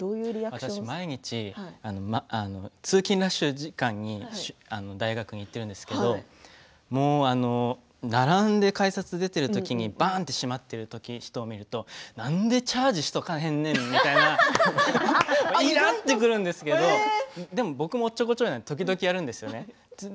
私毎日通勤ラッシュ時間に大学に行っているんですけれどもう並んで改札を出ているときにばんっとしまっている人を見るとなんでチャージしておかへんねんみたいなイラってくるんですけどでも僕もおっちょこちょいなので時々やるんですよね。